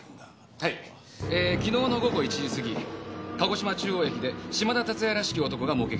はい昨日の午後１時過ぎ鹿児島中央駅で嶋田龍哉らしき男が目撃されています。